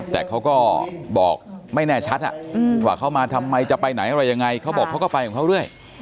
แต่เขาก็บอกไม่แน่ชัดว่าเขามาทำไมจะไปไหนอะไรยังไงเขาบอกเขาก็ไปของเขาเรื่อย